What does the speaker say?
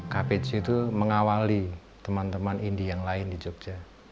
kpj itu mengawali teman teman indi yang lain di jogja